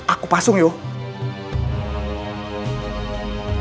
aku pasung yuk